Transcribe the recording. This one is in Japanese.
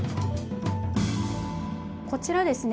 こちらですね